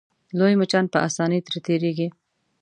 لوی مچان په اسانۍ ترې تېرېږي.